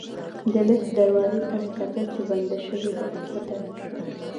د لفټ دروازې ته مې کتل چې بنده شوې، لفټ وتړل شو.